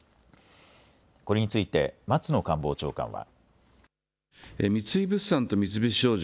これについて松野官房長官は。